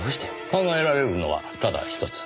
考えられるのはただ一つ。